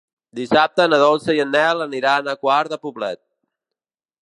Dissabte na Dolça i en Nel aniran a Quart de Poblet.